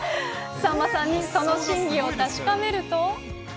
さんまさんにその真偽を確かめると。